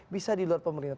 bisa di luar pemerintah